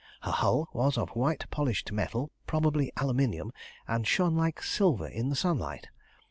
Her hull was of white polished metal, probably aluminium, and shone like silver in the sunlight.